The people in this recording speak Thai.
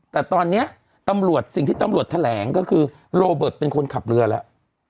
แต่ตอนนี้ตำรวจสิ่งที่ตำรวจแถลงก็คือโรเบิร์ตเป็นคนขับเรือแล้ว